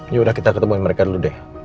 yaudah kita ketemuin mereka dulu deh